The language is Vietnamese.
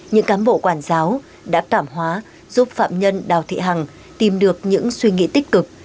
những cán bộ quản giáo đã cảm hóa giúp phạm nhân đào thị hằng tìm được những suy nghĩ tích cực